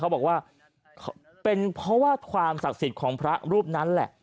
บอกว่าเป็นเพราะว่าความศักดิ์สิทธิ์ของพระรูปนั้นแหละ